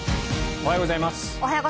おはようございます。